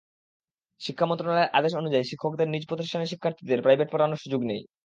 শিক্ষা মন্ত্রণালয়ের আদেশ অনুযায়ী শিক্ষকদের নিজ প্রতিষ্ঠানের শিক্ষার্থীদের প্রাইভেট পড়ানোর সুযোগ নেই।